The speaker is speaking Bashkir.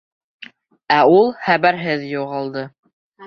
Ә ул хәбәрһеҙ юғалды.